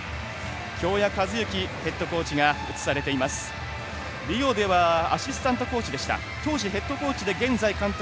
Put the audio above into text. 京谷和幸ヘッドコーチが映されています。